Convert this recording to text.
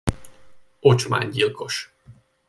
Ocsmány gyilkos!